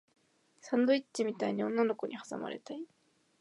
サンドイッチみたいに女の子に挟まれたい